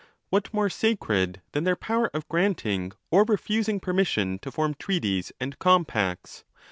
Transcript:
What more sacred than their power of granting or refusing permission to _ form treaties and compacts?